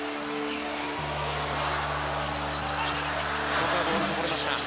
ここはボールがこぼれました。